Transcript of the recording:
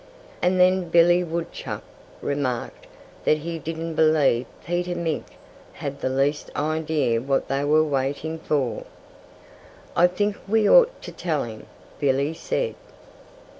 And then Billy Woodchuck remarked that he didn't believe Peter Mink had the least idea what they were waiting for. "I think we ought to tell him," Billy said.